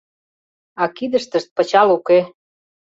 А кидыштышт пычал уке.